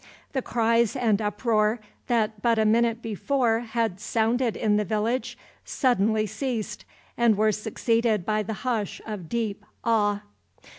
The cries and uproar that but a minute before had sounded in the village suddenly ceased, and were succeeded by the hush of deep awe.